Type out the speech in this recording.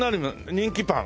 人気パン。